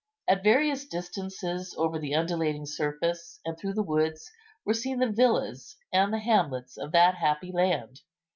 At various distances over the undulating surface, and through the woods, were seen the villas and the hamlets of that happy land.